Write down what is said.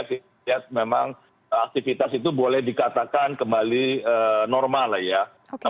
saya lihat memang aktivitas itu boleh dikatakan kembali normal lah ya